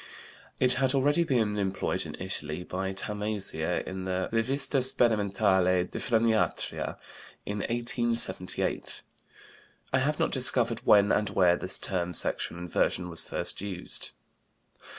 It had already been employed in Italy by Tamassia in the Revista Sperimentale di Freniatria, in 1878. I have not discovered when and where the term "sexual inversion" was first used.